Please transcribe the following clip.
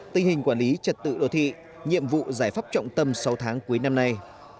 tình hình quản lý trật tự đô thị nhiệm vụ giải pháp trọng tâm sáu tháng cuối năm nay